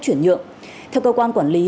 chuyển nhượng theo cơ quan quản lý